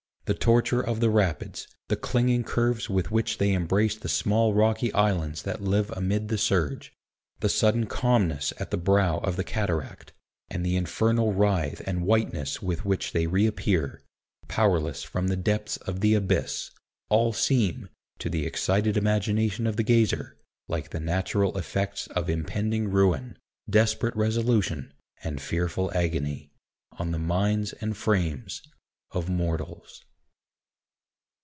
The torture of the Rapids, the clinging curves with which they embrace the small rocky islands that live amid the surge, the sudden calmness at the brow of the cataract, and the infernal writhe and whiteness with which they reappear, powerless from the depths of the abyss, all seem, to the excited imagination of the gazer, like the natural effects of impending ruin, desperate resolution, and fearful agony, on the minds and frames of mortals.